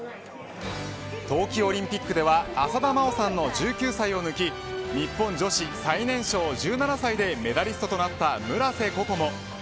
冬季オリンピックでは浅田真央さんの１９歳を抜き日本女子最年少１７歳でメダリストとなった村瀬心椛。